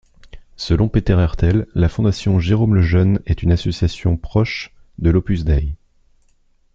Selon Peter Hertel, la Fondation Jérôme-Lejeune est une association proche de l'Opus Dei.